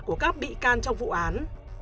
của các bị can trong vụ án